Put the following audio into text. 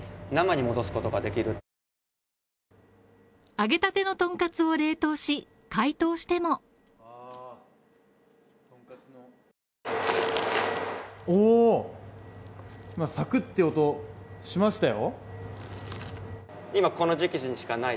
揚げたてのトンカツを冷凍し、解凍してもさくって音しましたよ。